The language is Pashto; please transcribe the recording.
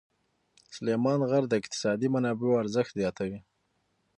سلیمان غر د اقتصادي منابعو ارزښت زیاتوي.